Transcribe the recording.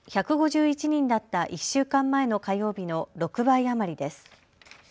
１５１人だった１週間前の火曜日の６倍余りです。